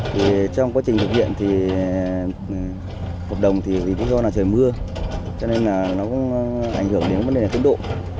trong quá trình thực hiện thì hợp đồng thì bị do trời mưa cho nên là nó cũng ảnh hưởng đến vấn đề tiến độ